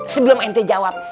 sebelum ente jawab